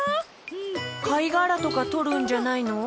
かいがらとかとるんじゃないの？